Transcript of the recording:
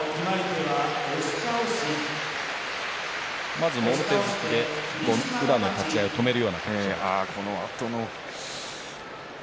まず、もろ手突きで宇良の立ち合いを止める形。